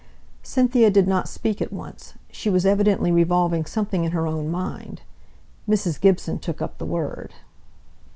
Cynthia did not speak at once; she was evidently revolving something in her own mind. Mrs. Gibson took up the word.